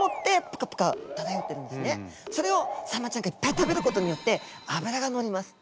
それをサンマちゃんがいっぱい食べることによってあぶらがのります。